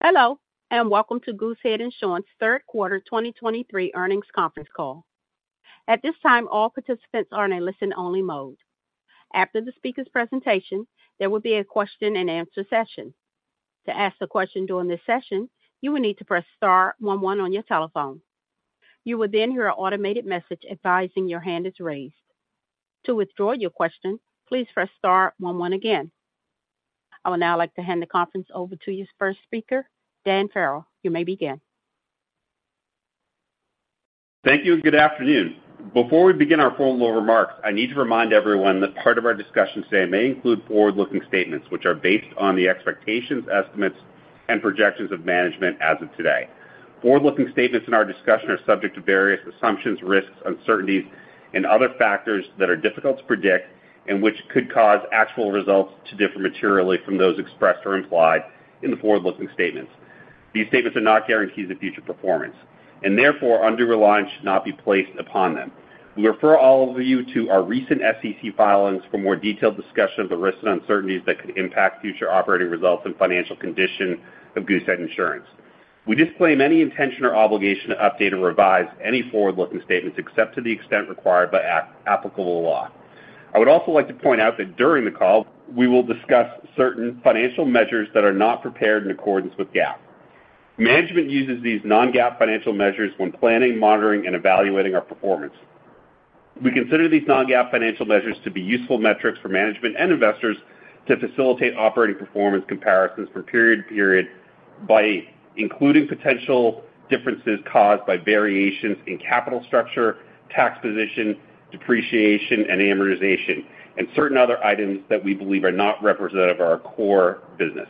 Hello, and welcome to Goosehead Insurance third quarter 2023 earnings conference call. At this time, all participants are in a listen-only mode. After the speaker's presentation, there will be a question-and-answer session. To ask a question during this session, you will need to press star one one on your telephone. You will then hear an automated message advising your hand is raised. To withdraw your question, please press star one one again. I would now like to hand the conference over to his first speaker, Daniel Farrell. You may begin. Thank you, and good afternoon. Before we begin our formal remarks, I need to remind everyone that part of our discussion today may include forward-looking statements, which are based on the expectations, estimates, and projections of management as of today. Forward-looking statements in our discussion are subject to various assumptions, risks, uncertainties, and other factors that are difficult to predict and which could cause actual results to differ materially from those expressed or implied in the forward-looking statements. These statements are not guarantees of future performance, and therefore undue reliance should not be placed upon them. We refer all of you to our recent SEC filings for more detailed discussion of the risks and uncertainties that could impact future operating results and financial condition of Goosehead Insurance. We disclaim any intention or obligation to update or revise any forward-looking statements except to the extent required by applicable law. I would also like to point out that during the call, we will discuss certain financial measures that are not prepared in accordance with GAAP. Management uses these non-GAAP financial measures when planning, monitoring, and evaluating our performance. We consider these non-GAAP financial measures to be useful metrics for management and investors to facilitate operating performance comparisons from period to period by including potential differences caused by variations in capital structure, tax position, depreciation, and amortization, and certain other items that we believe are not representative of our core business.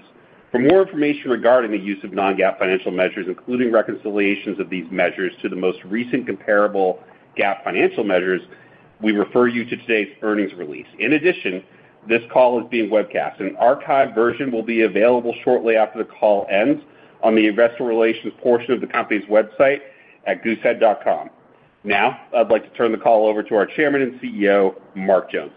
For more information regarding the use of non-GAAP financial measures, including reconciliations of these measures to the most recent comparable GAAP financial measures, we refer you to today's earnings release. In addition, this call is being webcast, and an archived version will be available shortly after the call ends on the investor relations portion of the company's website at goosehead.com. Now, I'd like to turn the call over to our Chairman and CEO, Mark Jones.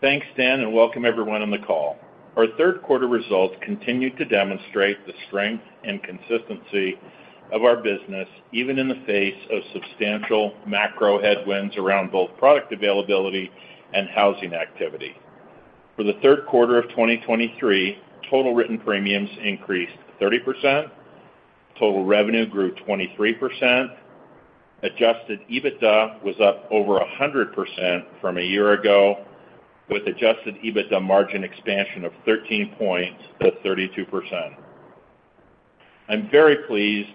Thanks, Daniel, and welcome everyone on the call. Our third quarter results continued to demonstrate the strength and consistency of our business, even in the face of substantial macro headwinds around both product availability and housing activity. For the third quarter of 2023, total written premiums increased 30%, total revenue grew 23%, adjusted EBITDA was up over 100% from a year ago, with adjusted EBITDA margin expansion of 13 points to 32%. I'm very pleased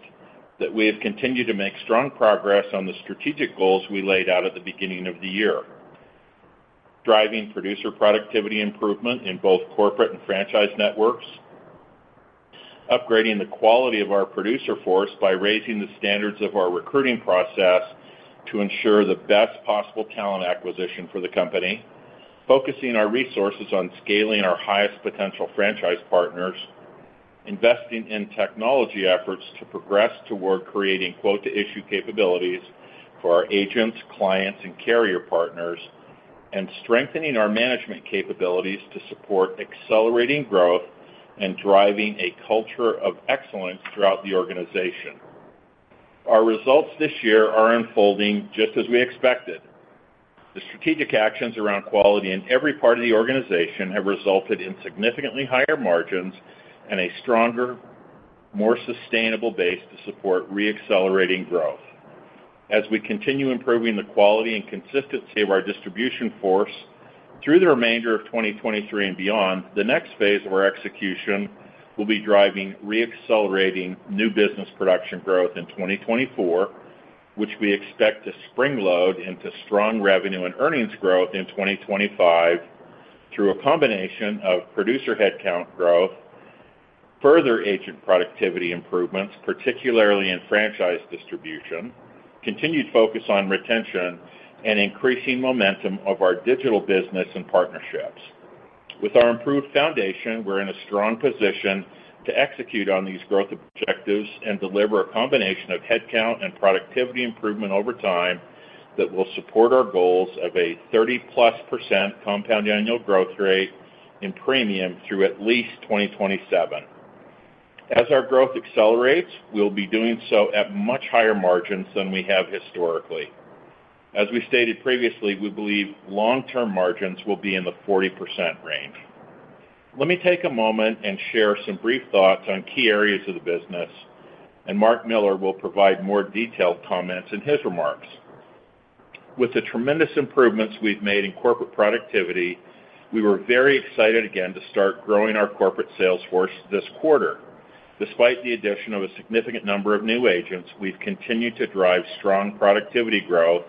that we have continued to make strong progress on the strategic goals we laid out at the beginning of the year, driving producer productivity improvement in both corporate and franchise networks, upgrading the quality of our producer force by raising the standards of our recruiting process to ensure the best possible talent acquisition for the company. Focusing our resources on scaling our highest potential franchise partners, investing in technology efforts to progress toward creating Quote-to-Issue capabilities for our agents, clients, and carrier partners, and strengthening our management capabilities to support accelerating growth and driving a culture of excellence throughout the organization. Our results this year are unfolding just as we expected. The strategic actions around quality in every part of the organization have resulted in significantly higher margins and a stronger, more sustainable base to support reaccelerating growth. As we continue improving the quality and consistency of our distribution force through the remainder of 2023 and beyond, the next phase of our execution will be driving, reaccelerating new business production growth in 2024, which we expect to springload into strong revenue and earnings growth in 2025 through a combination of producer headcount growth, further agent productivity improvements, particularly in franchise distribution, continued focus on retention, and increasing momentum of our digital business and partnerships. With our improved foundation, we're in a strong position to execute on these growth objectives and deliver a combination of headcount and productivity improvement over time that will support our goals of a 30%+ compound annual growth rate in premium through at least 2027. As our growth accelerates, we'll be doing so at much higher margins than we have historically. As we stated previously, we believe long-term margins will be in the 40% range. Let me take a moment and share some brief thoughts on key areas of the business, and Mark Miller will provide more detailed comments in his remarks. With the tremendous improvements we've made in corporate productivity, we were very excited again to start growing our corporate sales force this quarter. Despite the addition of a significant number of new agents, we've continued to drive strong productivity growth,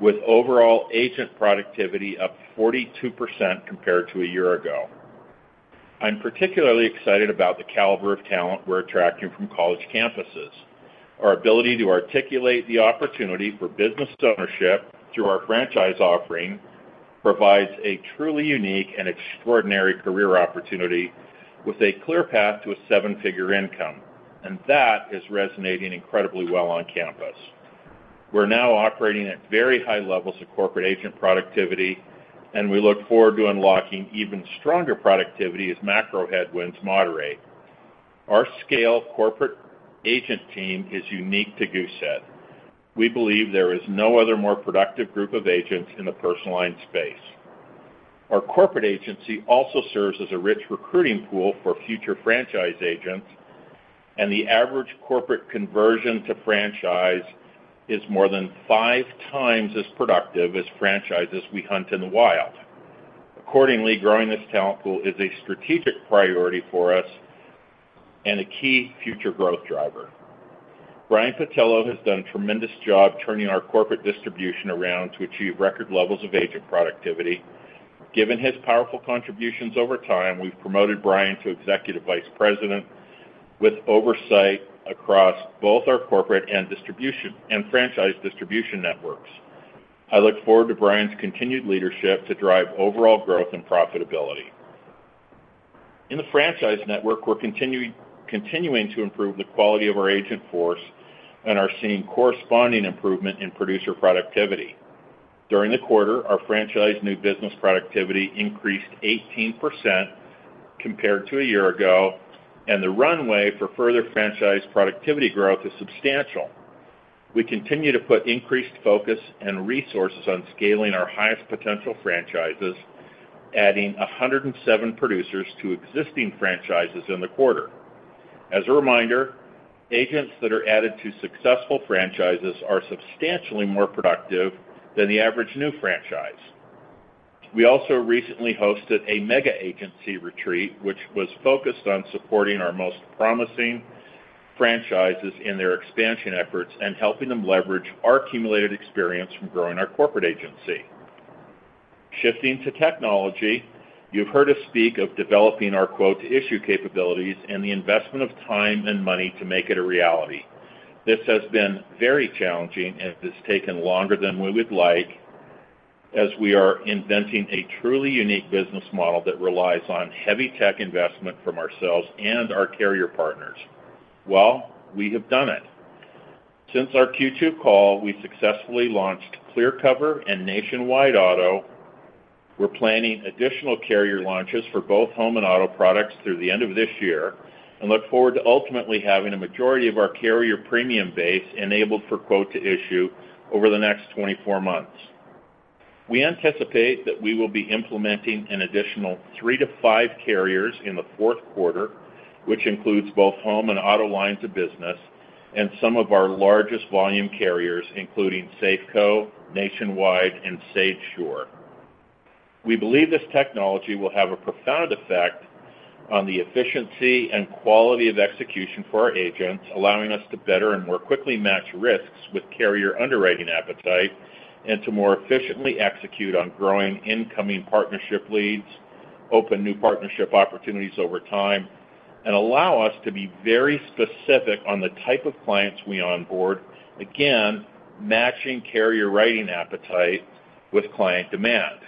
with overall agent productivity up 42% compared to a year ago. I'm particularly excited about the caliber of talent we're attracting from college campuses. Our ability to articulate the opportunity for business ownership through our franchise offering provides a truly unique and extraordinary career opportunity with a clear path to a seven-figure income, and that is resonating incredibly well on campus.... We're now operating at very high levels of corporate agent productivity, and we look forward to unlocking even stronger productivity as macro headwinds moderate. Our scale corporate agent team is unique to Goosehead. We believe there is no other more productive group of agents in the personal lines space. Our corporate agency also serves as a rich recruiting pool for future franchise agents, and the average corporate conversion to franchise is more than five times as productive as franchises we hunt in the wild. Accordingly, growing this talent pool is a strategic priority for us and a key future growth driver. Brian Pattillo has done a tremendous job turning our corporate distribution around to achieve record levels of agent productivity. Given his powerful contributions over time, we've promoted Brian to Executive Vice President, with oversight across both our corporate distribution and franchise distribution networks. I look forward to Brian's continued leadership to drive overall growth and profitability. In the franchise network, we're continuing to improve the quality of our agent force and are seeing corresponding improvement in producer productivity. During the quarter, our franchise new business productivity increased 18% compared to a year ago, and the runway for further franchise productivity growth is substantial. We continue to put increased focus and resources on scaling our highest potential franchises, adding 107 producers to existing franchises in the quarter. As a reminder, agents that are added to successful franchises are substantially more productive than the average new franchise. We also recently hosted a mega agency retreat, which was focused on supporting our most promising franchises in their expansion efforts and helping them leverage our accumulated experience from growing our corporate agency. Shifting to technology, you've heard us speak of developing our Quote- to -issue capabilities and the investment of time and money to make it a reality. This has been very challenging, and it has taken longer than we would like, as we are inventing a truly unique business model that relies on heavy tech investment from ourselves and our carrier partners. Well, we have done it. Since our Q2 call, we successfully launched Clearcover and Nationwide Auto. We're planning additional carrier launches for both home and auto products through the end of this year, and look forward to ultimately having a majority of our carrier premium base enabled for Quote- to- issue over the next 24 months. We anticipate that we will be implementing an additional three-five carriers in the fourth quarter, which includes both home and auto lines of business, and some of our largest volume carriers, including Safeco, Nationwide, and SageSure. We believe this technology will have a profound effect on the efficiency and quality of execution for our agents, allowing us to better and more quickly match risks with carrier underwriting appetite and to more efficiently execute on growing incoming partnership leads, open new partnership opportunities over time, and allow us to be very specific on the type of clients we onboard, again, matching carrier writing appetite with client demand.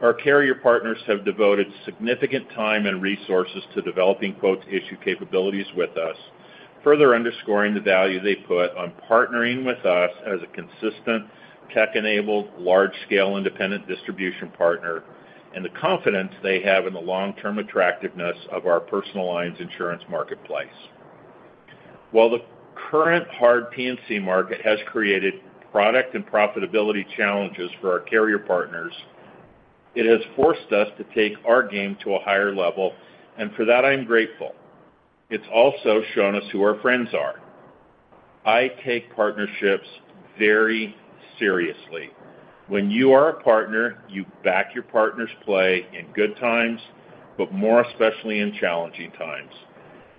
Our carrier partners have devoted significant time and resources to developing quote-to-issue capabilities with us, further underscoring the value they put on partnering with us as a consistent, tech-enabled, large-scale independent distribution partner, and the confidence they have in the long-term attractiveness of our personal lines insurance marketplace. While the current hard P&C market has created product and profitability challenges for our carrier partners, it has forced us to take our game to a higher level, and for that, I am grateful. It's also shown us who our friends are. I take partnerships very seriously. When you are a partner, you back your partner's play in good times, but more especially in challenging times.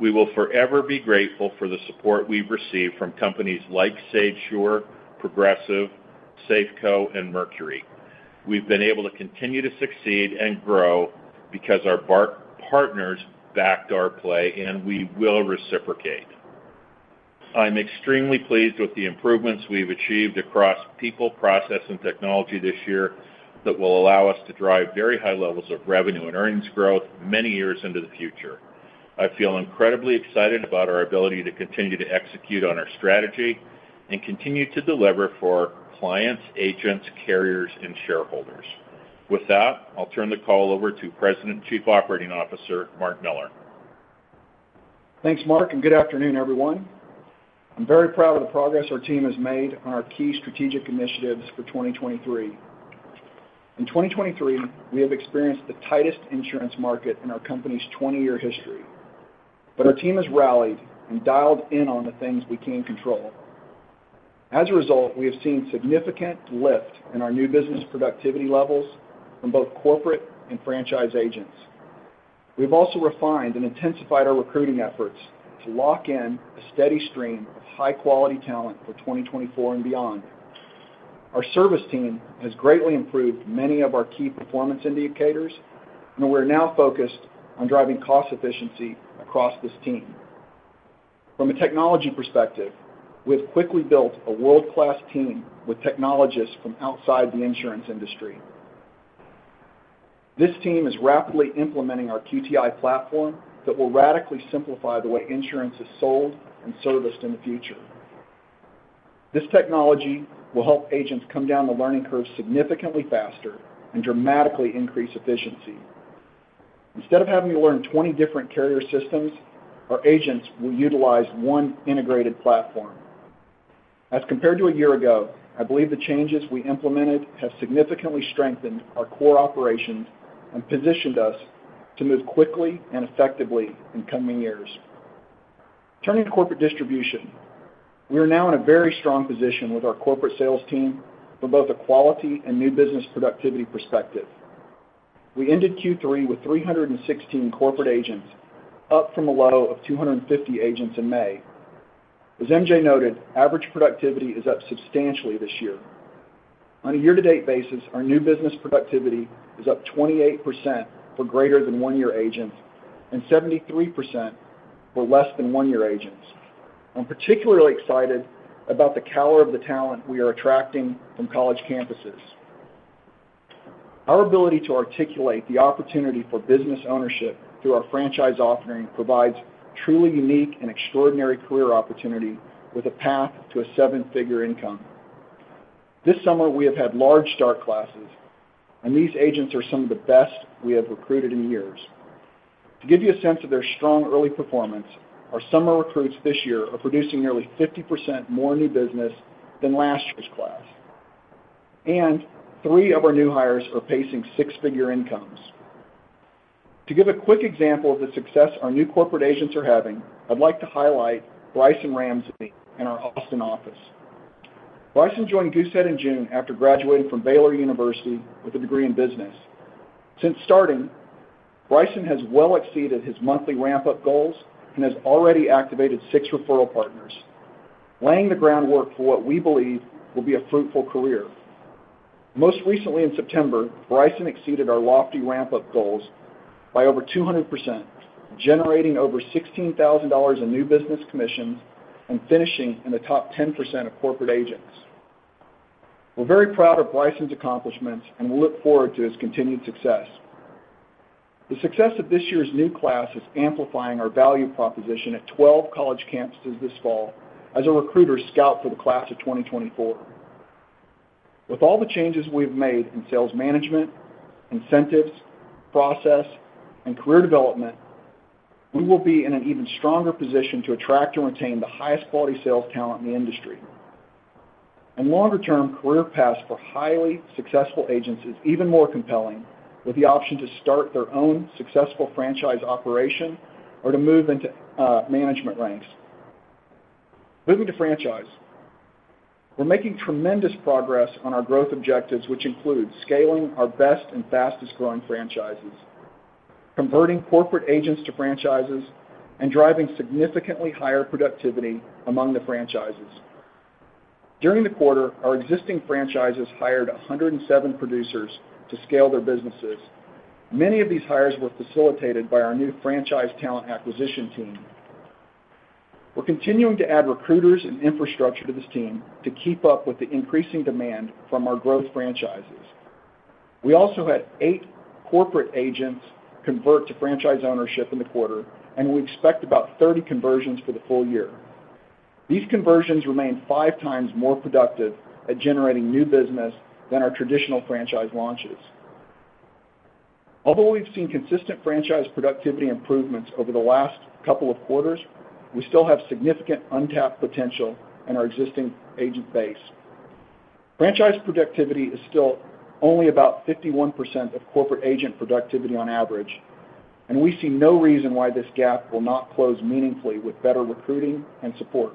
We will forever be grateful for the support we've received from companies like SageSure, Progressive, Safeco, and Mercury. We've been able to continue to succeed and grow because our partners backed our play, and we will reciprocate. I'm extremely pleased with the improvements we've achieved across people, process, and technology this year that will allow us to drive very high levels of revenue and earnings growth many years into the future. I feel incredibly excited about our ability to continue to execute on our strategy and continue to deliver for clients, agents, carriers, and shareholders. With that, I'll turn the call over to President and Chief Operating Officer, Mark Miller. Thanks, Mark, and good afternoon, everyone. I'm very proud of the progress our team has made on our key strategic initiatives for 2023. In 2023, we have experienced the tightest insurance market in our company's 20-year history, but our team has rallied and dialed in on the things we can control. As a result, we have seen significant lift in our new business productivity levels from both corporate and franchise agents. We've also refined and intensified our recruiting efforts to lock in a steady stream of high-quality talent for 2024 and beyond. Our service team has greatly improved many of our key performance indicators, and we're now focused on driving cost efficiency across this team. From a technology perspective, we have quickly built a world-class team with technologists from outside the insurance industry. This team is rapidly implementing our QTI platform that will radically simplify the way insurance is sold and serviced in the future. This technology will help agents come down the learning curve significantly faster and dramatically increase efficiency. Instead of having to learn 20 different carrier systems, our agents will utilize one integrated platform. As compared to a year ago, I believe the changes we implemented have significantly strengthened our core operations and positioned us to move quickly and effectively in coming years. Turning to corporate distribution, we are now in a very strong position with our corporate sales team from both a quality and new business productivity perspective. We ended Q3 with 316 corporate agents, up from a low of 250 agents in May. As MJ noted, average productivity is up substantially this year. On a year-to-date basis, our new business productivity is up 28% for greater than one-year agents and 73% for less than one-year agents. I'm particularly excited about the caliber of the talent we are attracting from college campuses. Our ability to articulate the opportunity for business ownership through our franchise offering provides truly unique and extraordinary career opportunity with a path to a seven-figure income. This summer, we have had large start classes, and these agents are some of the best we have recruited in years. To give you a sense of their strong early performance, our summer recruits this year are producing nearly 50% more new business than last year's class, and three of our new hires are pacing six-figure incomes. To give a quick example of the success our new corporate agents are having, I'd like to highlight Bryson Ramsey in our Austin office. Bryson joined Goosehead in June after graduating from Baylor University with a degree in business. Since starting, Bryson has well exceeded his monthly ramp-up goals and has already activated six referral partners, laying the groundwork for what we believe will be a fruitful career. Most recently, in September, Bryson exceeded our lofty ramp-up goals by over 200%, generating over $16,000 in new business commissions and finishing in the top 10% of corporate agents. We're very proud of Bryson's accomplishments, and we look forward to his continued success. The success of this year's new class is amplifying our value proposition at 12 college campuses this fall as a recruiter scout for the class of 2024. With all the changes we've made in sales management, incentives, process, and career development, we will be in an even stronger position to attract and retain the highest quality sales talent in the industry. Longer-term career paths for highly successful agents is even more compelling, with the option to start their own successful franchise operation or to move into, management ranks. Moving to franchise. We're making tremendous progress on our growth objectives, which include scaling our best and fastest-growing franchises, converting corporate agents to franchises, and driving significantly higher productivity among the franchises. During the quarter, our existing franchises hired 107 producers to scale their businesses. Many of these hires were facilitated by our new franchise talent acquisition team. We're continuing to add recruiters and infrastructure to this team to keep up with the increasing demand from our growth franchises. We also had eight corporate agents convert to franchise ownership in the quarter, and we expect about 30 conversions for the full year. These conversions remain five times more productive at generating new business than our traditional franchise launches. Although we've seen consistent franchise productivity improvements over the last couple of quarters, we still have significant untapped potential in our existing agent base. Franchise productivity is still only about 51% of corporate agent productivity on average, and we see no reason why this gap will not close meaningfully with better recruiting and support.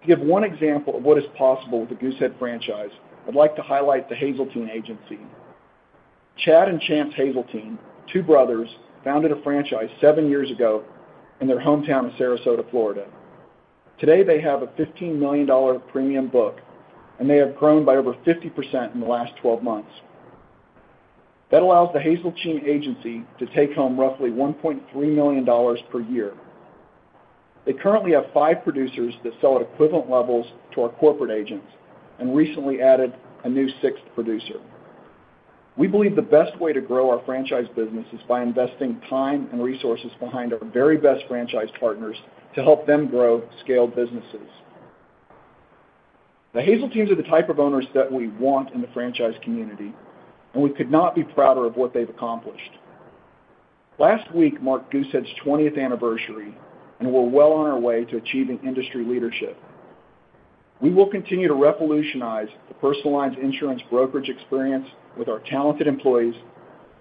To give one example of what is possible with the Goosehead franchise, I'd like to highlight the Hazeltine agency. Chad and Chance Hazeltine, two brothers, founded a franchise seven years ago in their hometown of Sarasota, Florida. Today, they have a $15 million premium book, and they have grown by over 50% in the last 12 months. That allows the Hazeltine agency to take home roughly $1.3 million per year. They currently have five producers that sell at equivalent levels to our corporate agents and recently added a new sixth producer. We believe the best way to grow our franchise business is by investing time and resources behind our very best franchise partners to help them grow scaled businesses. The Hazeltines are the type of owners that we want in the franchise community, and we could not be prouder of what they've accomplished. Last week marked Goosehead's 20th anniversary, and we're well on our way to achieving industry leadership. We will continue to revolutionize the personal lines insurance brokerage experience with our talented employees,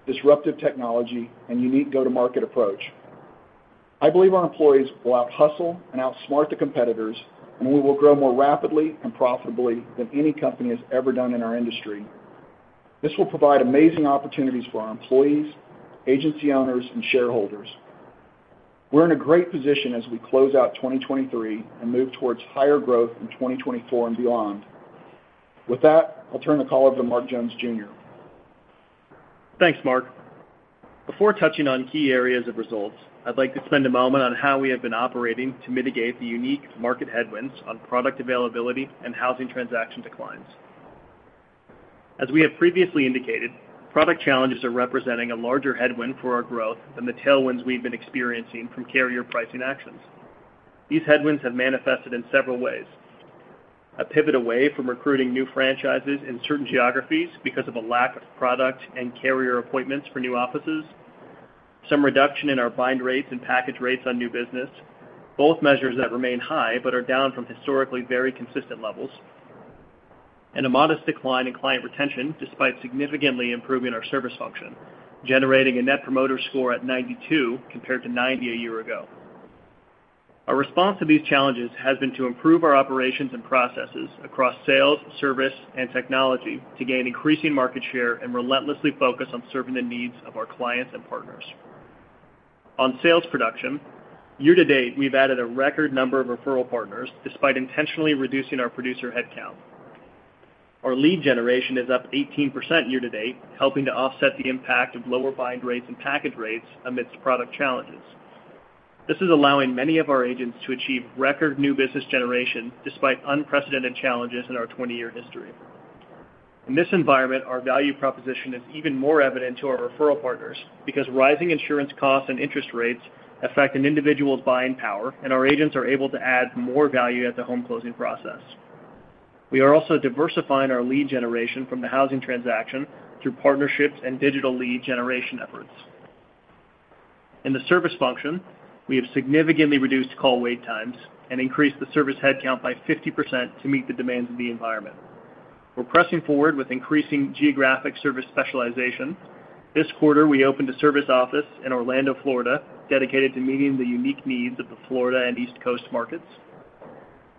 disruptive technology, and unique go-to-market approach. I believe our employees will outhustle and outsmart the competitors, and we will grow more rapidly and profitably than any company has ever done in our industry. This will provide amazing opportunities for our employees, agency owners, and shareholders. We're in a great position as we close out 2023 and move towards higher growth in 2024 and beyond. With that, I'll turn the call over to Mark Colby Jones. Thanks, Mark.... Before touching on key areas of results, I'd like to spend a moment on how we have been operating to mitigate the unique market headwinds on product availability and housing transaction declines. As we have previously indicated, product challenges are representing a larger headwind for our growth than the tailwinds we've been experiencing from carrier pricing actions. These headwinds have manifested in several ways. A pivot away from recruiting new franchises in certain geographies because of a lack of product and carrier appointments for new offices, some reduction in our bind rates and package rates on new business, both measures that remain high, but are down from historically very consistent levels, and a modest decline in client retention, despite significantly improving our service function, generating a Net Promoter Score of 92 compared to 90 a year ago. Our response to these challenges has been to improve our operations and processes across sales, service, and technology to gain increasing market share and relentlessly focus on serving the needs of our clients and partners. On sales production, year to date, we've added a record number of referral partners, despite intentionally reducing our producer headcount. Our lead generation is up 18% year to date, helping to offset the impact of lower bind rates and package rates amidst product challenges. This is allowing many of our agents to achieve record new business generation, despite unprecedented challenges in our 20-year history. In this environment, our value proposition is even more evident to our referral partners, because rising insurance costs and interest rates affect an individual's buying power, and our agents are able to add more value at the home closing process. We are also diversifying our lead generation from the housing transaction through partnerships and digital lead generation efforts. In the service function, we have significantly reduced call wait times and increased the service headcount by 50% to meet the demands of the environment. We're pressing forward with increasing geographic service specialization. This quarter, we opened a service office in Orlando, Florida, dedicated to meeting the unique needs of the Florida and East Coast markets.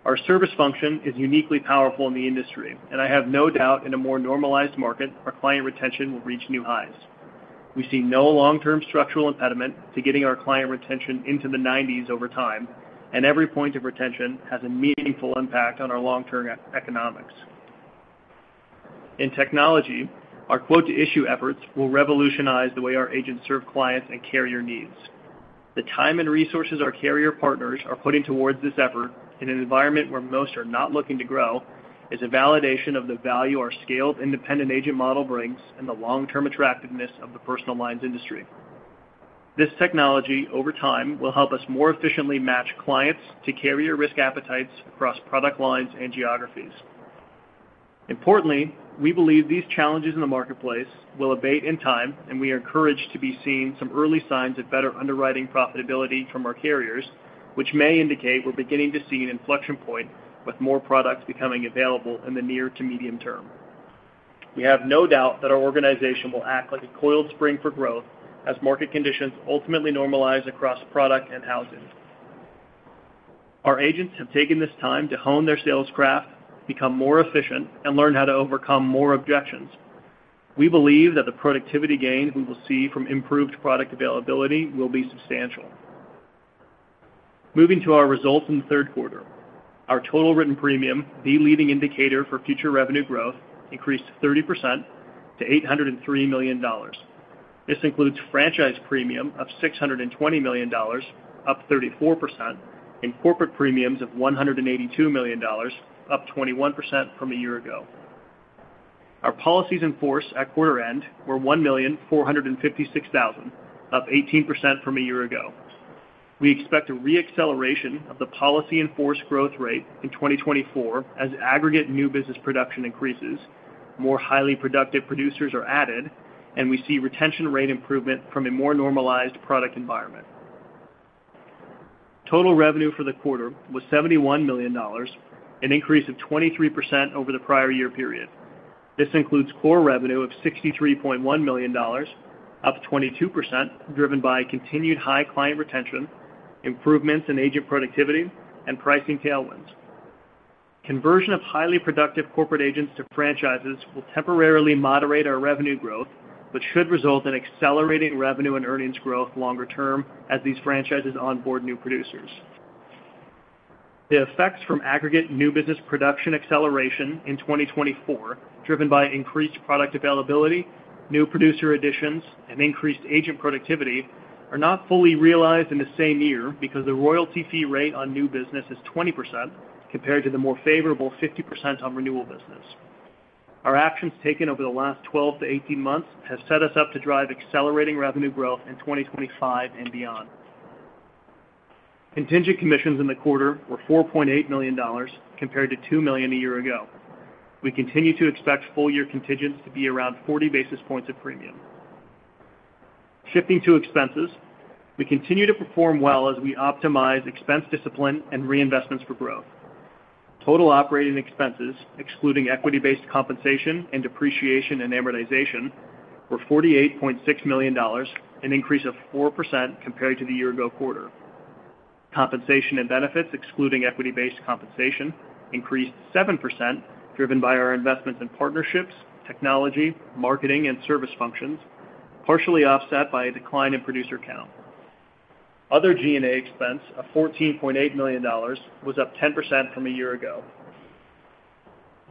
Our service function is uniquely powerful in the industry, and I have no doubt in a more normalized market, our client retention will reach new highs. We see no long-term structural impediment to getting our client retention into the 90s over time, and every point of retention has a meaningful impact on our long-term economics. In technology, our quote-to-issue efforts will revolutionize the way our agents serve clients and carrier needs. The time and resources our carrier partners are putting towards this effort in an environment where most are not looking to grow, is a validation of the value our scaled independent agent model brings and the long-term attractiveness of the personal lines industry. This technology, over time, will help us more efficiently match clients to carrier risk appetites across product lines and geographies. Importantly, we believe these challenges in the marketplace will abate in time, and we are encouraged to be seeing some early signs of better underwriting profitability from our carriers, which may indicate we're beginning to see an inflection point with more products becoming available in the near to medium term. We have no doubt that our organization will act like a coiled spring for growth as market conditions ultimately normalize across product and housing. Our agents have taken this time to hone their sales craft, become more efficient, and learn how to overcome more objections. We believe that the productivity gains we will see from improved product availability will be substantial. Moving to our results in the third quarter. Our total written premium, the leading indicator for future revenue growth, increased 30% to $803 million. This includes franchise premium of $620 million, up 34%, and corporate premiums of $182 million, up 21% from a year ago. Our policies in force at quarter end were 1,456,000, up 18% from a year ago. We expect a re-acceleration of the policies in force growth rate in 2024 as aggregate new business production increases, more highly productive producers are added, and we see retention rate improvement from a more normalized product environment. Total revenue for the quarter was $71 million, an increase of 23% over the prior year period. This includes core revenue of $63.1 million, up 22%, driven by continued high client retention, improvements in agent productivity, and pricing tailwinds. Conversion of highly productive corporate agents to franchises will temporarily moderate our revenue growth, but should result in accelerating revenue and earnings growth longer term as these franchises onboard new producers. The effects from aggregate new business production acceleration in 2024, driven by increased product availability, new producer additions, and increased agent productivity, are not fully realized in the same year because the royalty fee rate on new business is 20% compared to the more favorable 50% on renewal business. Our actions taken over the last 12-18 months have set us up to drive accelerating revenue growth in 2025 and beyond. Contingent commissions in the quarter were $4.8 million, compared to $2 million a year ago. We continue to expect full-year contingents to be around 40 basis points of premium. Shifting to expenses, we continue to perform well as we optimize expense discipline and reinvestments for growth. Total operating expenses, excluding equity-based compensation and depreciation and amortization, were $48.6 million, an increase of 4% compared to the year ago quarter. Compensation and benefits, excluding equity-based compensation, increased 7%, driven by our investments in partnerships, technology, marketing, and service functions, partially offset by a decline in producer count. Other G&A expense of $14.8 million was up 10% from a year ago....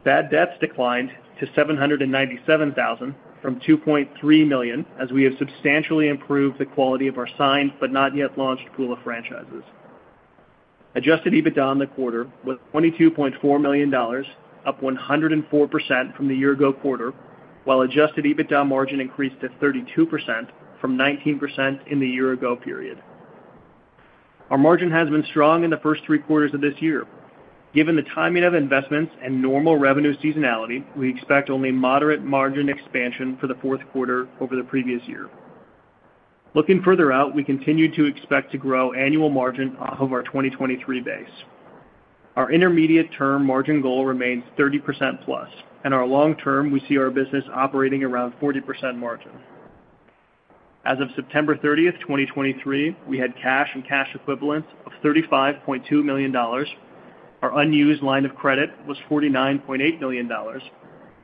Bad debts declined to $797,000 from $2.3 million, as we have substantially improved the quality of our signed but not yet launched pool of franchises. Adjusted EBITDA in the quarter was $22.4 million, up 104% from the year ago quarter, while adjusted EBITDA margin increased to 32% from 19% in the year ago period. Our margin has been strong in the first three quarters of this year. Given the timing of investments and normal revenue seasonality, we expect only moderate margin expansion for the fourth quarter over the previous year. Looking further out, we continue to expect to grow annual margin off of our 2023 base. Our intermediate-term margin goal remains 30%+, and our long term, we see our business operating around 40% margin. As of September 30th, 2023, we had cash and cash equivalents of $35.2 million. Our unused line of credit was $49.8 million,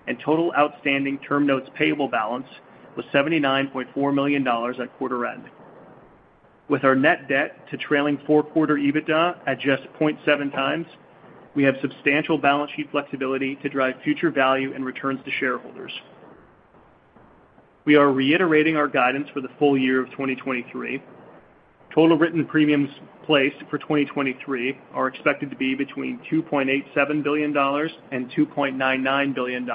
and total outstanding term notes payable balance was $79.4 million at quarter end. With our net debt to trailing four-quarter EBITDA at just 0.7x, we have substantial balance sheet flexibility to drive future value and returns to shareholders. We are reiterating our guidance for the full year of 2023. Total written premiums placed for 2023 are expected to be between $2.87 billion and $2.99 billion,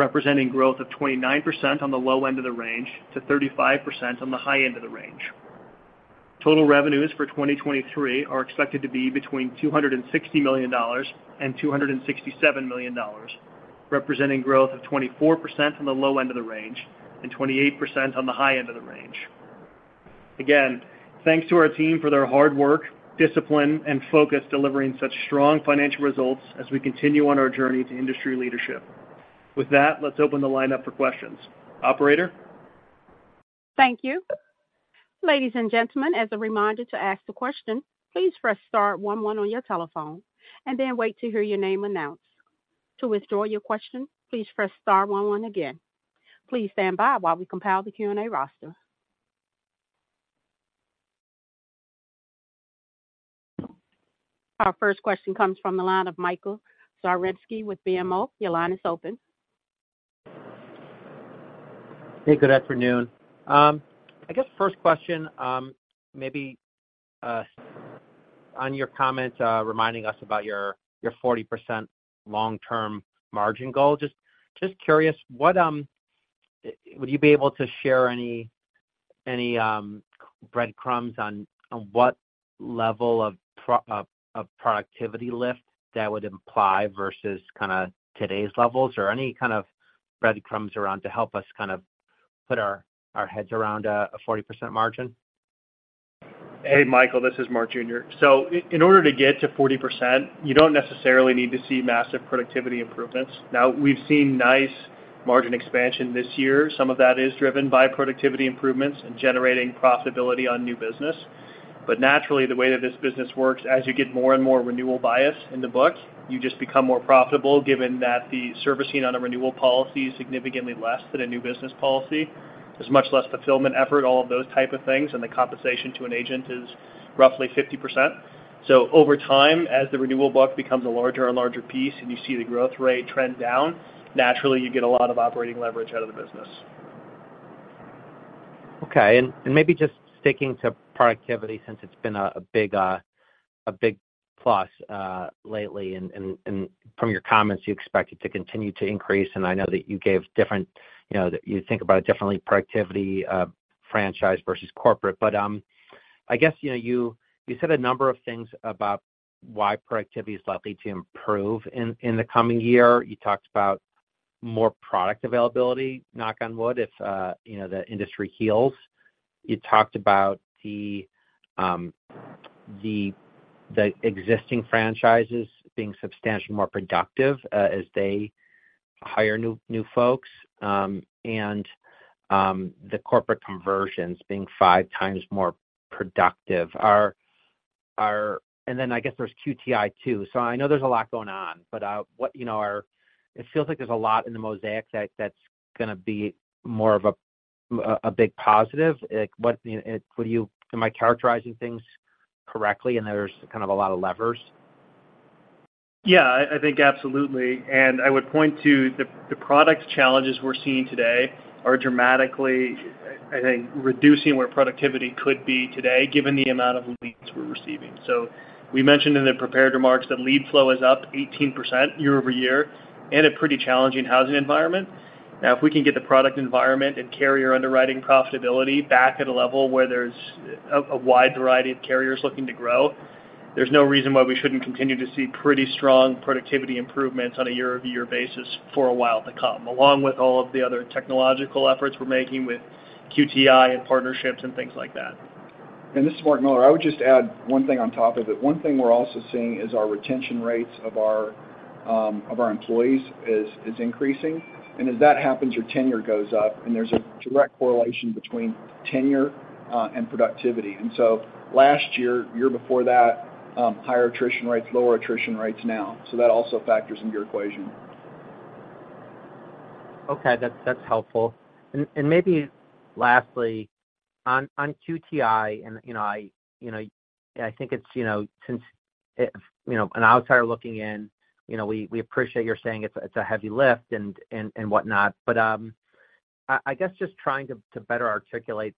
representing growth of 29% on the low end of the range to 35% on the high end of the range. Total revenues for 2023 are expected to be between $260 million and $267 million, representing growth of 24% on the low end of the range and 28% on the high end of the range. Again, thanks to our team for their hard work, discipline and focus, delivering such strong financial results as we continue on our journey to industry leadership. With that, let's open the line up for questions. Operator? Thank you. Ladies and gentlemen, as a reminder to ask the question, please press star one one on your telephone and then wait to hear your name announced. To withdraw your question, please press star one one again. Please stand by while we compile the Q&A roster. Our first question comes from the line of Michael Zaremski with BMO. Your line is open. Hey, good afternoon. I guess first question, maybe, on your comments, reminding us about your 40% long-term margin goal. Just curious, what would you be able to share any breadcrumbs on what level of productivity lift that would imply versus kind of today's levels, or any kind of breadcrumbs around to help us kind of put our heads around a 40% margin? Hey, Michael, this is Mark Colby Jones. So in order to get to 40%, you don't necessarily need to see massive productivity improvements. Now, we've seen nice margin expansion this year. Some of that is driven by productivity improvements and generating profitability on new business. But naturally, the way that this business works, as you get more and more renewal bias in the book, you just become more profitable given that the servicing on a renewal policy is significantly less than a new business policy. There's much less fulfillment effort, all of those type of things, and the compensation to an agent is roughly 50%. So over time, as the renewal book becomes a larger and larger piece, and you see the growth rate trend down, naturally, you get a lot of operating leverage out of the business. Okay. And maybe just sticking to productivity, since it's been a big plus lately, and from your comments, you expect it to continue to increase. And I know that you gave different, you know, that you think about it differently, productivity, franchise versus corporate. But I guess, you know, you said a number of things about why productivity is likely to improve in the coming year. You talked about more product availability, knock on wood, if you know, the industry heals. You talked about the existing franchises being substantially more productive as they hire new folks, and the corporate conversions being five times more productive. Are. And then I guess there's QTI, too. So I know there's a lot going on, but what, you know, are... It feels like there's a lot in the mosaic that's gonna be more of a big positive. Like, what are you - Am I characterizing things correctly and there's kind of a lot of levers? Yeah, I think absolutely. And I would point to the product challenges we're seeing today are dramatically, I think, reducing where productivity could be today, given the amount of leads we're receiving. So we mentioned in the prepared remarks that lead flow is up 18% year-over-year in a pretty challenging housing environment. Now, if we can get the product environment and carrier underwriting profitability back at a level where there's a wide variety of carriers looking to grow, there's no reason why we shouldn't continue to see pretty strong productivity improvements on a year-over-year basis for a while to come, along with all of the other technological efforts we're making with QTI and partnerships and things like that. This is Mark Miller. I would just add one thing on top of it. One thing we're also seeing is our retention rates of our, of our employees is, is increasing. As that happens, your tenure goes up, and there's a direct correlation between tenure, and productivity. So last year, year before that, higher attrition rates, lower attrition rates now. That also factors into your equation.... Okay, that's helpful. And maybe lastly, on QTI, and, you know, I think it's, you know, since an outsider looking in, you know, we appreciate your saying it's a heavy lift and whatnot. But, I guess just trying to better articulate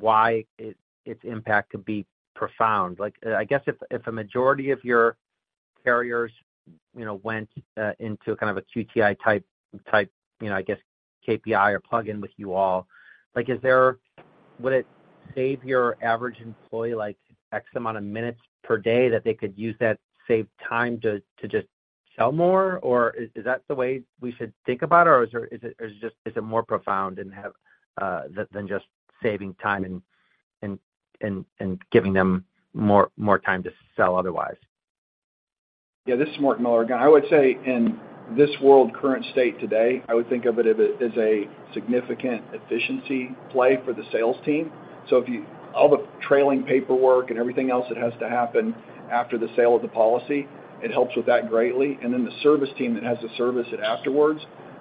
why its impact could be profound. Like, I guess if a majority of your carriers went into kind of a QTI type, you know, I guess KPI or plug-in with you all, like, would it save your average employee like X amount of minutes per day, that they could use that saved time to just sell more? Or is that the way we should think about it, or is there—is it just more profound than just saving time and giving them more time to sell otherwise? Yeah, this is Mark Miller again. I would say in this world's current state today, I would think of it as a significant efficiency play for the sales team. So if you... All the trailing paperwork and everything else that has to happen after the sale of the policy, it helps with that greatly. And then the service team that has to service it afterwards,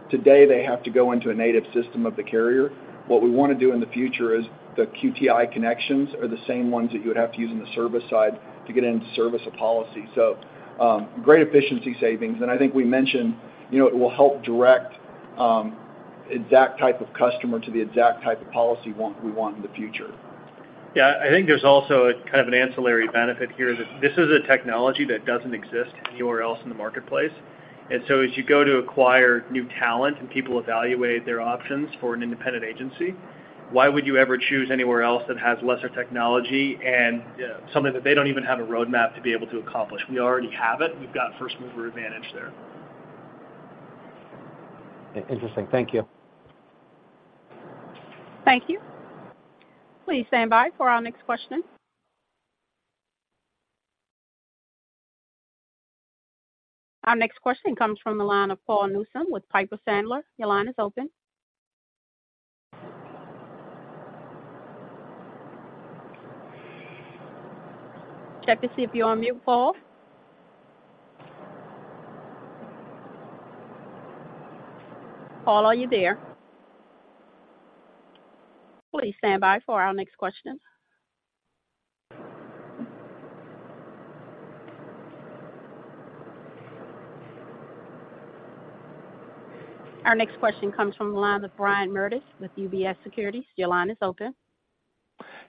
today, they have to go into a native system of the carrier. What we want to do in the future is the QTI connections are the same ones that you would have to use in the service side to get in to service a policy. So, great efficiency savings, and I think we mentioned, you know, it will help direct exact type of customer to the exact type of policy we want in the future. Yeah, I think there's also a kind of an ancillary benefit here, that this is a technology that doesn't exist anywhere else in the marketplace. And so as you go to acquire new talent and people evaluate their options for an independent agency, why would you ever choose anywhere else that has lesser technology and- Yeah Something that they don't even have a roadmap to be able to accomplish? We already have it. We've got first mover advantage there. Interesting. Thank you. Thank you. Please stand by for our next question. Our next question comes from the line of Paul Newsome with Piper Sandler. Your line is open. Check to see if you're on mute, Paul. Paul, are you there? Please stand by for our next question. Our next question comes from the line of Brian Meredith with UBS Securities. Your line is open.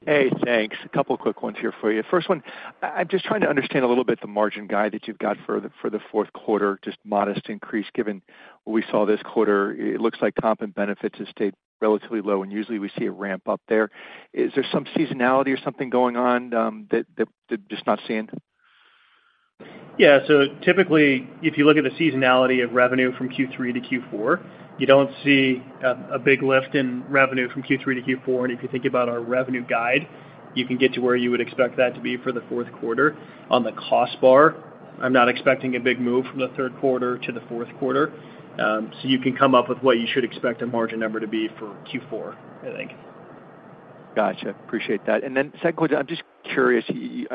Hey, thanks. A couple quick ones here for you. First one, I'm just trying to understand a little bit the margin guide that you've got for the fourth quarter, just modest increase, given what we saw this quarter. It looks like comp and benefits has stayed relatively low, and usually we see a ramp-up there. Is there some seasonality or something going on that just not seeing? Yeah. So typically, if you look at the seasonality of revenue from Q3 to Q4, you don't see a big lift in revenue from Q3 to Q4. And if you think about our revenue guide, you can get to where you would expect that to be for the fourth quarter. On the cost bar, I'm not expecting a big move from the third quarter to the fourth quarter. So you can come up with what you should expect a margin number to be for Q4, I think. Gotcha. Appreciate that. And then second question, I'm just curious. You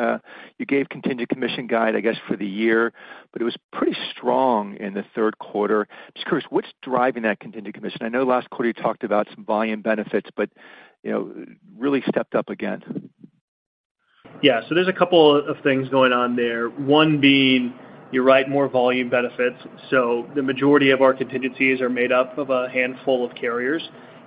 gave contingent commission guidance, I guess, for the year, but it was pretty strong in the third quarter. Just curious, what's driving that contingent commission? I know last quarter you talked about some volume benefits, but, you know, really stepped up again. Yeah. So there's a couple of things going on there. One being, you're right, more volume benefits. So the majority of our contingencies are made up of a handful of carriers,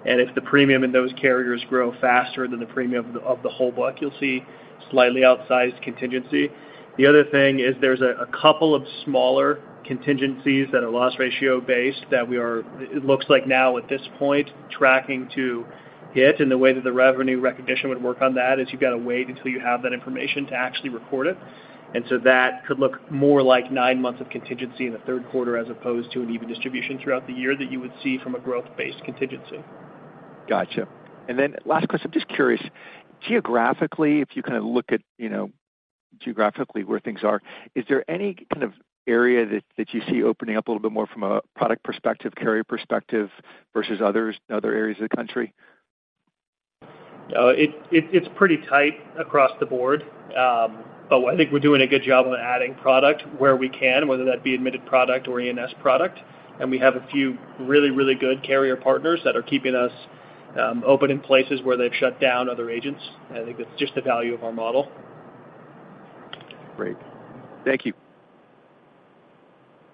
and if the premium in those carriers grow faster than the premium of the whole book, you'll see slightly outsized contingency. The other thing is there's a couple of smaller contingencies that are loss ratio-based, that we are, it looks like now at this point, tracking to hit. And the way that the revenue recognition would work on that is you've got to wait until you have that information to actually record it. And so that could look more like nine months of contingency in the third quarter, as opposed to an even distribution throughout the year that you would see from a growth-based contingency. Gotcha. And then last question, I'm just curious, geographically, if you kind of look at, you know, geographically where things are, is there any kind of area that you see opening up a little bit more from a product perspective, carrier perspective, versus others, other areas of the country? It's pretty tight across the board. But I think we're doing a good job on adding product where we can, whether that be admitted product or E&S product. And we have a few really, really good carrier partners that are keeping us open in places where they've shut down other agents. I think that's just the value of our model. Great. Thank you.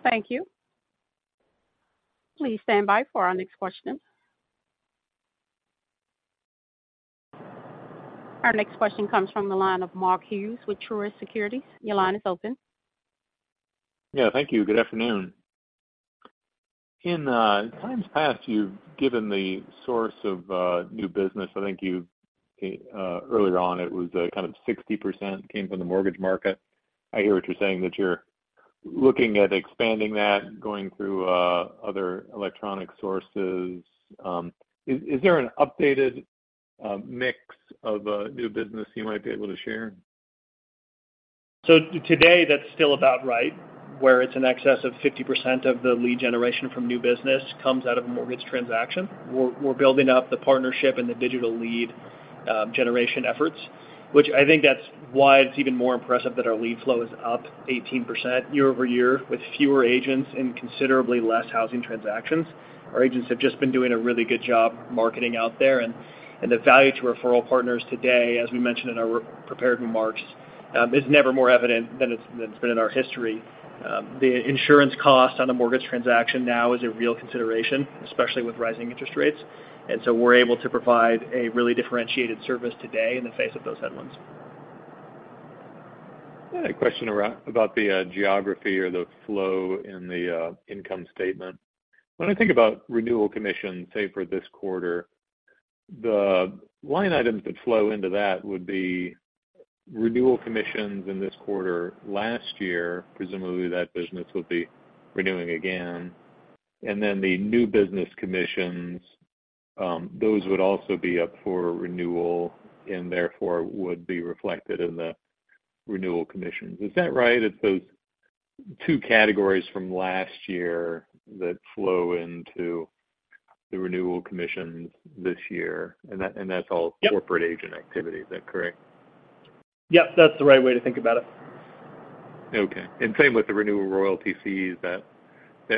Thank you. Please stand by for our next question. Our next question comes from the line of Mark Hughes with Truist Securities. Your line is open. Yeah, thank you. Good afternoon. In times past, you've given the source of new business. I think you earlier on, it was kind of 60% came from the mortgage market. I hear what you're saying, that you're looking at expanding that, going through other electronic sources. Is there an updated mix of new business you might be able to share? So today, that's still about right, where it's in excess of 50% of the lead generation from new business comes out of a mortgage transaction. We're building up the partnership and the digital lead generation efforts, which I think that's why it's even more impressive that our lead flow is up 18% year-over-year, with fewer agents and considerably less housing transactions. Our agents have just been doing a really good job marketing out there, and the value to referral partners today, as we mentioned in our prepared remarks, is never more evident than it's been in our history. The insurance cost on a mortgage transaction now is a real consideration, especially with rising interest rates, and so we're able to provide a really differentiated service today in the face of those headwinds. I had a question around about the geography or the flow in the income statement. When I think about renewal commission, say, for this quarter, the line items that flow into that would be renewal commissions in this quarter. Last year, presumably, that business would be renewing again. And then the new business commissions, those would also be up for renewal and therefore would be reflected in the renewal commissions. Is that right? It's those two categories from last year that flow into the renewal commissions this year, and that, and that's all- Yep. Corporate agent activity. Is that correct? Yep, that's the right way to think about it. Okay. And same with the renewal royalty fees, that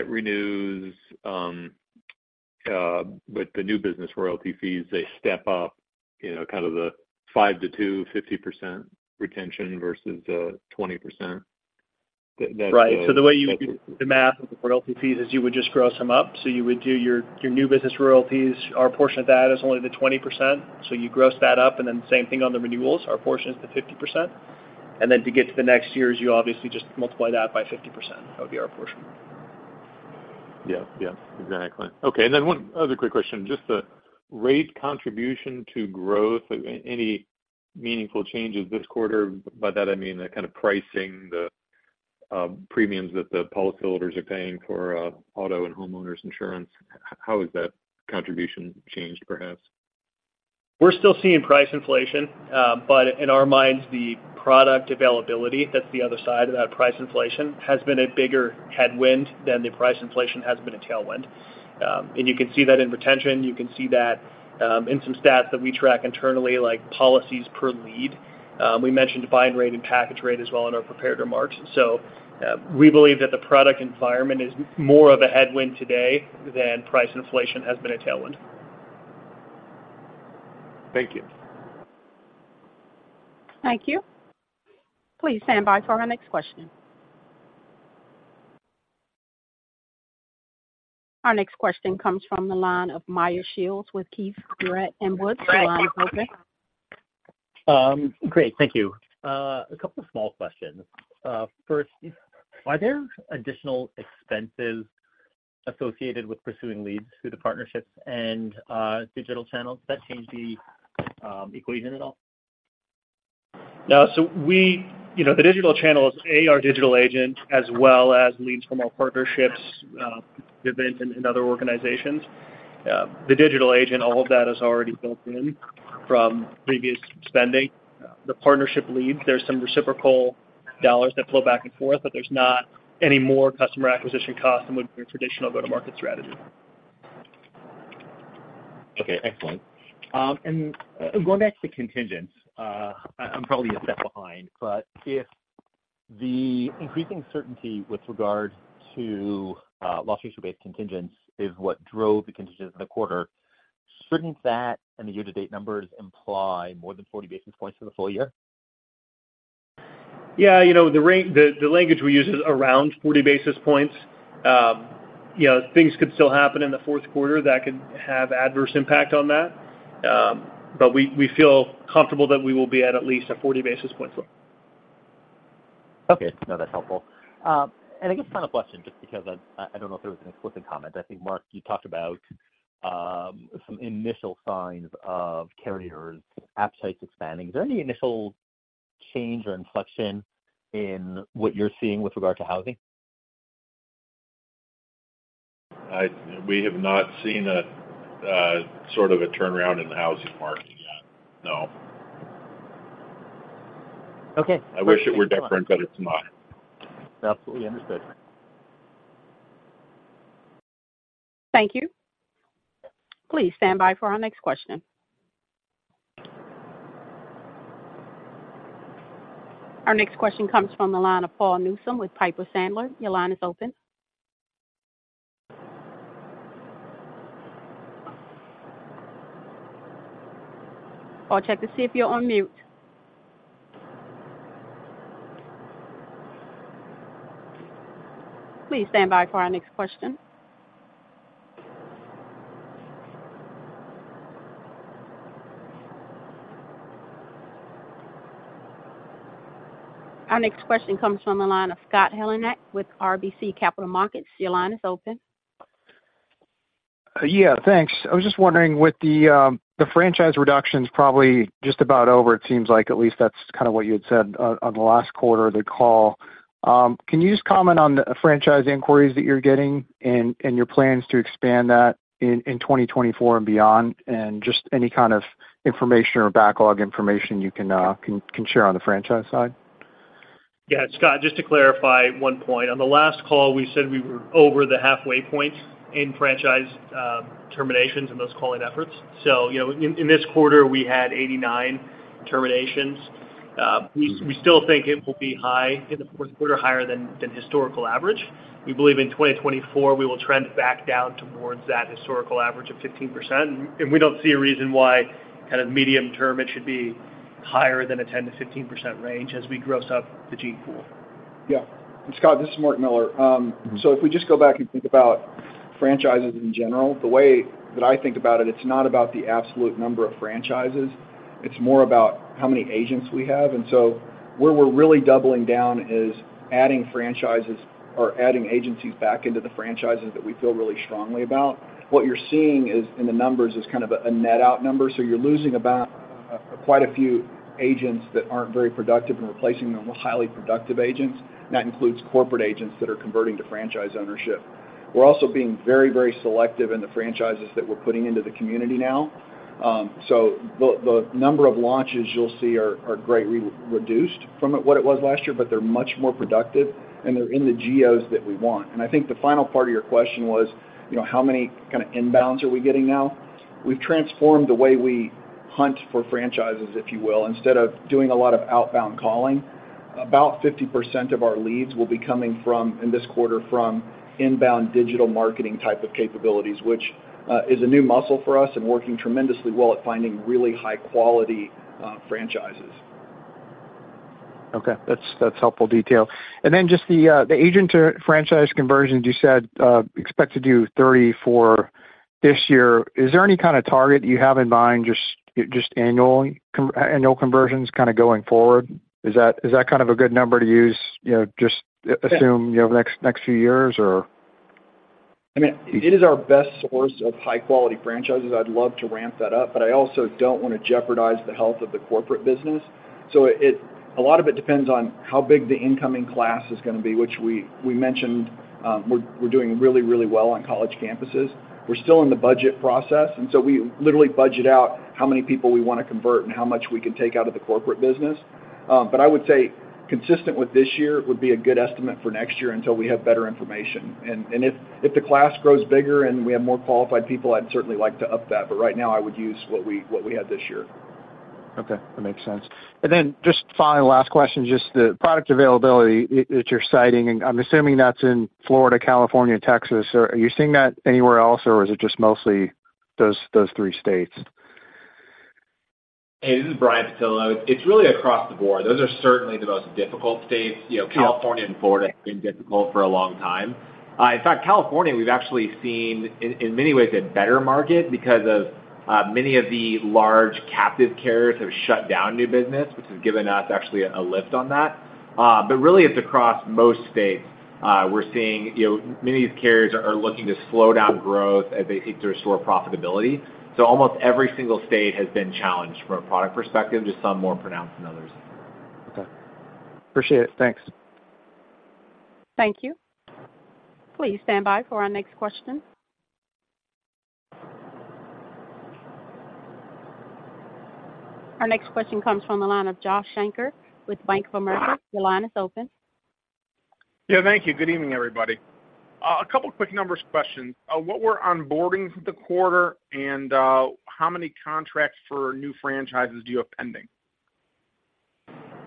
renews with the new business royalty fees. They step up, you know, kind of the 5%-2.50% retention versus the 20%. That, that's- Right. So the way you would do the math of the royalty fees is you would just gross them up. So you would do your new business royalties. Our portion of that is only the 20%, so you gross that up, and then same thing on the renewals. Our portion is the 50%. And then to get to the next year's, you obviously just multiply that by 50%. That would be our portion. Yeah. Yeah, exactly. Okay, and then one other quick question. Just the rate contribution to growth, any meaningful changes this quarter? By that, I mean, the kind of pricing, the premiums that the policyholders are paying for, auto and homeowners insurance. How has that contribution changed, perhaps? We're still seeing price inflation, but in our minds, the product availability, that's the other side of that price inflation, has been a bigger headwind than the price inflation has been a tailwind. You can see that in retention. You can see that in some stats that we track internally, like policies per lead. We mentioned bind rate and package rate as well in our prepared remarks. We believe that the product environment is more of a headwind today than price inflation has been a tailwind. Thank you. Thank you. Please stand by for our next question. Our next question comes from the line of Meyer Shields with Keefe, Bruyette, and Woods. Your line is open. Great. Thank you. A couple of small questions. First, are there additional expenses associated with pursuing leads through the partnerships and digital channels that change the equation at all? Now, so we... You know, the digital channels, A, our digital agent, as well as leads from our partnerships, events and other organizations. The digital agent, all of that is already built in from previous spending. The partnership leads, there's some reciprocal dollars that flow back and forth, but there's not any more customer acquisition costs than would be a traditional go-to-market strategy. Okay, excellent. And going back to contingents, I'm probably a step behind, but if the increasing certainty with regard to loss ratio-based contingents is what drove the contingents in the quarter, shouldn't that and the year-to-date numbers imply more than 40 basis points for the full year? Yeah, you know, the language we use is around 40 basis points. You know, things could still happen in the fourth quarter that could have adverse impact on that. But we feel comfortable that we will be at least a 40 basis point slope. Okay. No, that's helpful. And I guess final question, just because I don't know if there was an explicit comment. I think, Mark, you talked about some initial signs of carriers' appetites expanding. Is there any initial change or inflection in what you're seeing with regard to housing? We have not seen a sort of a turnaround in the housing market yet, no. Okay. I wish it were different, but it's not. Absolutely understood. Thank you. Please stand by for our next question. Our next question comes from the line of Paul Newsome with Piper Sandler. Your line is open. Paul, check to see if you're on mute. Please stand by for our next question. Our next question comes from the line of Scott Heleniak with RBC Capital Markets. Your line is open. Yeah, thanks. I was just wondering, with the franchise reductions probably just about over, it seems like at least that's kind of what you had said on the last quarter of the call. Can you just comment on the franchise inquiries that you're getting and your plans to expand that in 2024 and beyond, and just any kind of information or backlog information you can share on the franchise side? ... Yeah, Scott, just to clarify one point. On the last call, we said we were over the halfway point in franchise terminations in those calling efforts. So, you know, in this quarter, we had 89 terminations. We still think it will be high in the fourth quarter, higher than historical average. We believe in 2024, we will trend back down towards that historical average of 15%, and we don't see a reason why kind of medium term, it should be higher than a 10%-15% range as we gross up the gene pool. Yeah. And Scott, this is Mark Miller. So if we just go back and think about franchises in general, the way that I think about it, it's not about the absolute number of franchises, it's more about how many agents we have. And so where we're really doubling down is adding franchises or adding agencies back into the franchises that we feel really strongly about. What you're seeing is, in the numbers, is kind of a net out number. So you're losing about quite a few agents that aren't very productive and replacing them with highly productive agents, and that includes corporate agents that are converting to franchise ownership. We're also being very, very selective in the franchises that we're putting into the community now. So the number of launches you'll see are greatly reduced from what it was last year, but they're much more productive, and they're in the geos that we want. I think the final part of your question was, you know, how many kind of inbounds are we getting now? We've transformed the way we hunt for franchises, if you will. Instead of doing a lot of outbound calling, about 50% of our leads will be coming from, in this quarter, from inbound digital marketing type of capabilities, which is a new muscle for us and working tremendously well at finding really high quality franchises. Okay. That's helpful detail. And then just the agent to franchise conversions, you said, expect to do 34 this year. Is there any kind of target you have in mind, just annual conversions kind of going forward? Is that kind of a good number to use, you know, just- Yeah... assume, you know, the next few years, or? I mean, it is our best source of high quality franchises. I'd love to ramp that up, but I also don't want to jeopardize the health of the corporate business. So a lot of it depends on how big the incoming class is gonna be, which we mentioned, we're doing really, really well on college campuses. We're still in the budget process, and so we literally budget out how many people we want to convert and how much we can take out of the corporate business. But I would say consistent with this year would be a good estimate for next year until we have better information. And if the class grows bigger and we have more qualified people, I'd certainly like to up that, but right now I would use what we had this year. Okay, that makes sense. And then just finally, last question, just the product availability that you're citing, I'm assuming that's in Florida, California, and Texas, or are you seeing that anywhere else, or is it just mostly those, those three states? Hey, this is Brian Pattillo. It's really across the board. Those are certainly the most difficult states. You know, California and Florida have been difficult for a long time. In fact, California, we've actually seen, in many ways, a better market because many of the large captive carriers have shut down new business, which has given us actually a lift on that. But really, it's across most states. We're seeing, you know, many of these carriers are looking to slow down growth as they seek to restore profitability. So almost every single state has been challenged from a product perspective, just some more pronounced than others. Okay. Appreciate it. Thanks. Thank you. Please stand by for our next question. Our next question comes from the line of Joshua Shanker with Bank of America. Your line is open. Yeah, thank you. Good evening, everybody. A couple quick numbers questions. What were onboarding for the quarter, and how many contracts for new franchises do you have pending?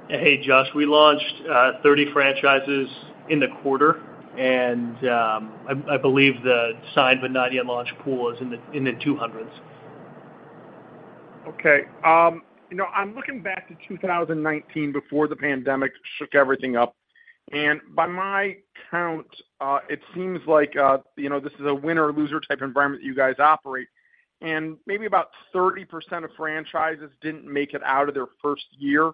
Hey, Joshua. We launched 30 franchises in the quarter, and I believe the signed but not yet launched pool is in the 200s. Okay. You know, I'm looking back to 2019 before the pandemic shook everything up, and by my count, it seems like, you know, this is a winner or loser type environment that you guys operate. And maybe about 30% of franchises didn't make it out of their first year,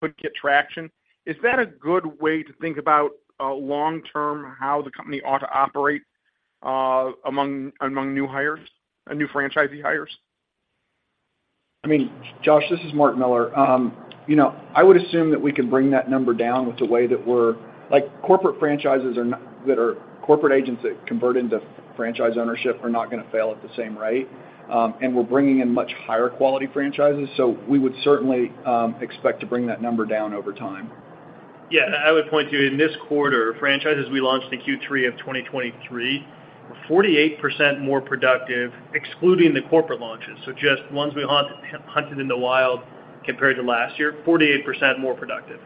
could get traction. Is that a good way to think about, long term, how the company ought to operate, among, among new hires, new franchisee hires? I mean, Joshua, this is Mark Miller. You know, I would assume that we can bring that number down with the way that we're like, corporate franchises are not that are corporate agents that convert into franchise ownership are not gonna fail at the same rate. And we're bringing in much higher quality franchises, so we would certainly expect to bring that number down over time. Yeah, and I would point to you, in this quarter, franchises we launched in Q3 of 2023, were 48% more productive, excluding the corporate launches. So just ones we hunted in the wild compared to last year, 48% more productive.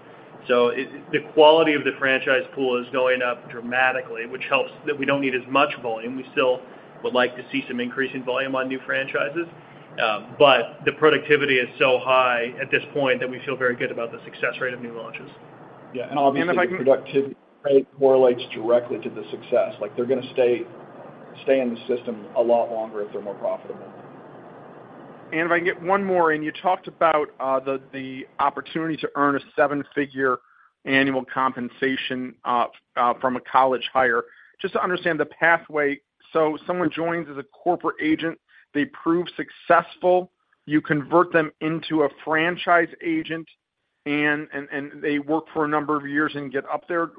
So it. The quality of the franchise pool is going up dramatically, which helps that we don't need as much volume. We still would like to see some increase in volume on new franchises, but the productivity is so high at this point that we feel very good about the success rate of new launches. Yeah, and obviously- And if I can- Productivity correlates directly to the success. Like, they're gonna stay in the system a lot longer if they're more profitable. If I can get one more in, you talked about the opportunity to earn a seven-figure annual compensation from a college hire. Just to understand the pathway, so someone joins as a corporate agent, they prove successful, you convert them into a franchise agent, and they work for a number of years and get up there.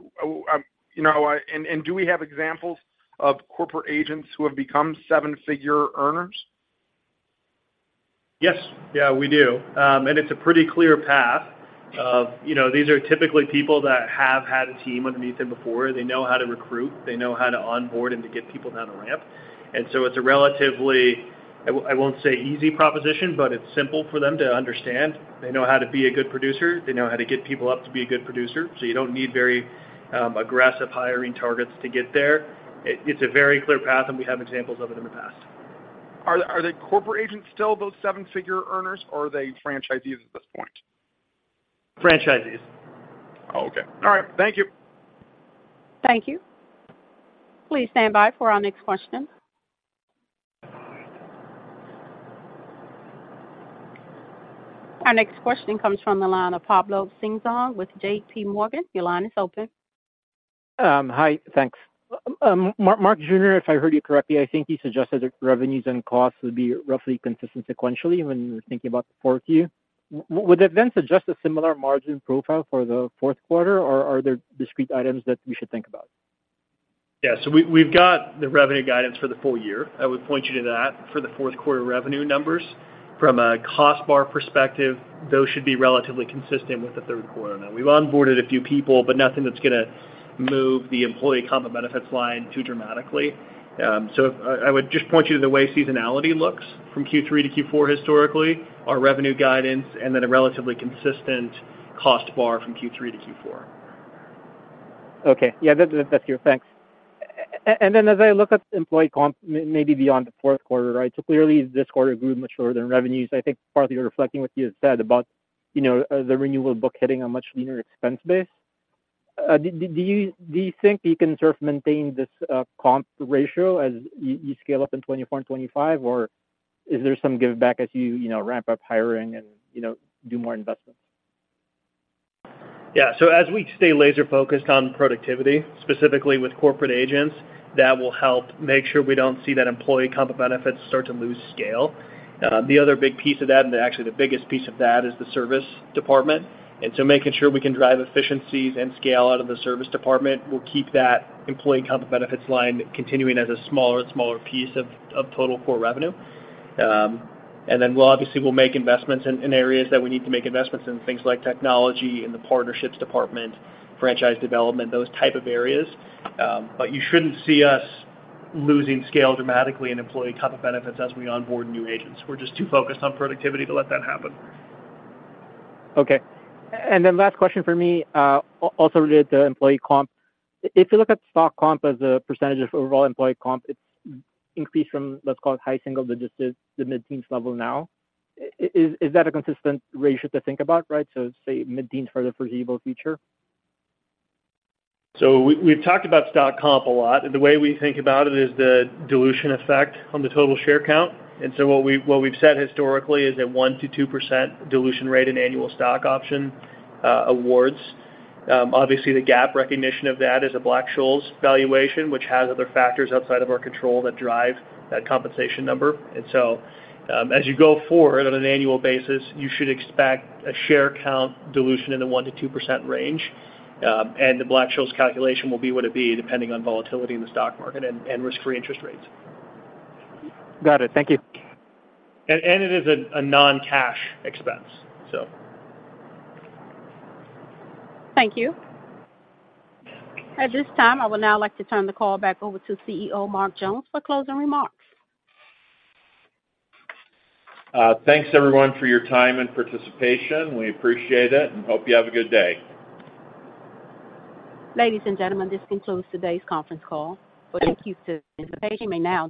You know, and do we have examples of corporate agents who have become seven-figure earners?... Yes. Yeah, we do. And it's a pretty clear path of, you know, these are typically people that have had a team underneath them before. They know how to recruit, they know how to onboard and to get people down the ramp. And so it's a relatively, I won't say easy proposition, but it's simple for them to understand. They know how to be a good producer. They know how to get people up to be a good producer, so you don't need very aggressive hiring targets to get there. It, it's a very clear path, and we have examples of it in the past. Are the corporate agents still those seven-figure earners, or are they franchisees at this point? Franchisees. Okay. All right, thank you. Thank you. Please stand by for our next question. Our next question comes from the line of Pablo Singzon with JP Morgan. Your line is open. Hi. Thanks. Mark Colby Jones, if I heard you correctly, I think you suggested that revenues and costs would be roughly consistent sequentially when you were thinking about the fourth Q. Would that then suggest a similar margin profile for the fourth quarter, or are there discrete items that we should think about? Yeah, so we've got the revenue guidance for the full year. I would point you to that for the fourth quarter revenue numbers. From a cost bar perspective, those should be relatively consistent with the third quarter. Now, we've onboarded a few people, but nothing that's gonna move the employee comp and benefits line too dramatically. So I would just point you to the way seasonality looks from Q3 to Q4 historically, our revenue guidance, and then a relatively consistent cost bar from Q3 to Q4. Okay. Yeah, that, that's clear. Thanks. And then as I look at employee comp maybe beyond the fourth quarter, right? So clearly, this quarter grew much lower than revenues. I think partly reflecting what you had said about, you know, the renewable book hitting a much leaner expense base. Do you think you can sort of maintain this, comp ratio as you scale up in 2024 and 2025, or is there some giveback as you, you know, ramp up hiring and, you know, do more investments? Yeah, so as we stay laser focused on productivity, specifically with corporate agents, that will help make sure we don't see that employee comp and benefits start to lose scale. The other big piece of that, and actually the biggest piece of that, is the service department. And so making sure we can drive efficiencies and scale out of the service department will keep that employee comp and benefits line continuing as a smaller and smaller piece of total core revenue. And then we'll obviously, we'll make investments in areas that we need to make investments in, things like technology, in the partnerships department, franchise development, those type of areas. But you shouldn't see us losing scale dramatically in employee comp and benefits as we onboard new agents. We're just too focused on productivity to let that happen. Okay. And then last question for me, also related to employee comp. If you look at stock comp as a percentage of overall employee comp, it's increased from, let's call it, high single digits to the mid-teens level now. Is that a consistent ratio to think about, right? So say, mid-teens for the foreseeable future. So we, we've talked about stock comp a lot, and the way we think about it is the dilution effect on the total share count. And so what we, what we've said historically is a 1%-2% dilution rate in annual stock option awards. Obviously, the GAAP recognition of that is a Black-Scholes valuation, which has other factors outside of our control that drive that compensation number. And so, as you go forward on an annual basis, you should expect a share count dilution in the 1%-2% range, and the Black-Scholes calculation will be what it be, depending on volatility in the stock market and risk-free interest rates. Got it. Thank you. And it is a non-cash expense, so... Thank you. At this time, I would now like to turn the call back over to CEO, Mark Jones, for closing remarks. Thanks, everyone, for your time and participation. We appreciate it, and hope you have a good day. Ladies and gentlemen, this concludes today's conference call. Thank you to the-- you may now disconnect.